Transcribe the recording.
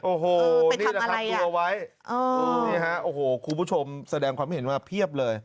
โอ้โฮนี่นะครับตัวไว้โอ้โฮคุณผู้ชมแสดงความเห็นว่าเพียบเลย